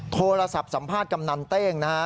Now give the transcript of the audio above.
โทรศัพท์สัมภาษณ์กำนันเต้งนะฮะ